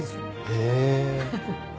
へえ。